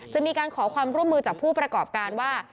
จะมีการขอความร่วมมือจากผู้ประกอบการว่า